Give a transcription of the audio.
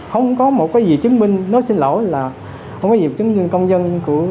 không có một cái gì chứng minh nói xin lỗi là không có gì chứng minh công dân